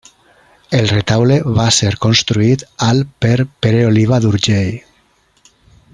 El retaule va ser construït al per Pere Oliva d'Urgell.